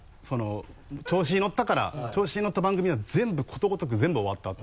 調子にのったから調子にのった番組には全部ことごとく全部終わったってあぁ。